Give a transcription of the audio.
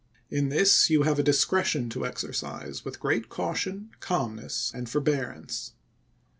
In this you have a discretion to exercise with great caution, calm ness, and forbearance.